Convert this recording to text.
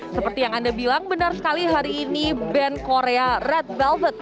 seperti yang anda bilang benar sekali hari ini band korea red velvet